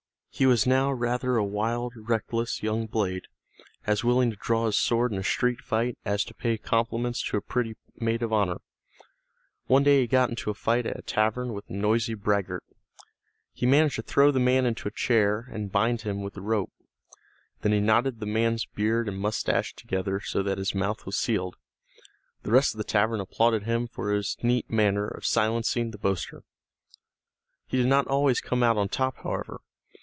He was now rather a wild, reckless young blade, as willing to draw his sword in a street fight as to pay compliments to a pretty maid of honor. One day he got into a fight at a tavern with a noisy braggart. He managed to throw the man into a chair and bind him with a rope. Then he knotted the man's beard and moustache together so that his mouth was sealed. The rest of the tavern applauded him for his neat manner of silencing the boaster. He did not always come out on top, however.